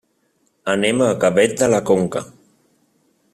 Anem a Gavet de la Conca.